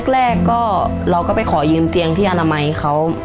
แรกก็เราก็ไปขอยืมเตียงที่อนามัยเขา